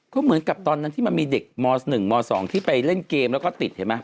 ก็เหมือนกับตอนนั้นที่มันมีเด็กม๑ม๒ที่ไปเล่นเกมแล้วก็ติดเห็นไหม